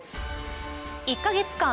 １カ月間